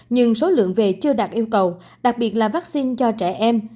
nhưng số lượng về chưa đạt yêu cầu đặc biệt là vaccine cho trẻ em